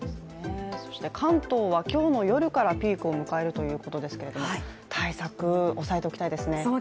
そして関東は今日の夜からピークを迎えるということですけど対策、押さえておきたいですね。